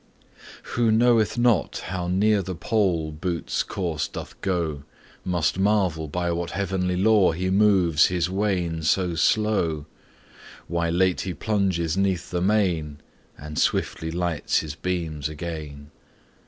Who knoweth not how near the pole Bootes' course doth go, Must marvel by what heavenly law He moves his Wain so slow; Why late he plunges 'neath the main, And swiftly lights his beams again.